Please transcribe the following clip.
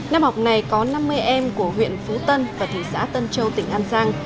năm học này có năm mươi em của huyện phú tân và thị xã tân châu tỉnh an giang